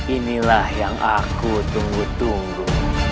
inilah yang aku tunggu tunggu